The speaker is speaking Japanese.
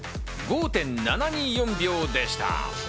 ５．７２４秒でした。